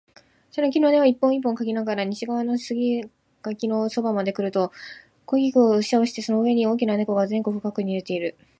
茶の木の根を一本一本嗅ぎながら、西側の杉垣のそばまでくると、枯菊を押し倒してその上に大きな猫が前後不覚に寝ている